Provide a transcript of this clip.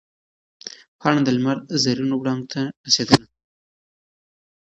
پاڼه د لمر زرینو وړانګو ته نڅېدله.